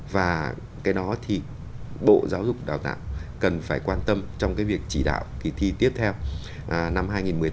và cái đó thì bộ giáo dục đào tạo cần phải quan tâm trong cái việc chỉ đạo kỳ thi tiếp theo năm hai nghìn một mươi tám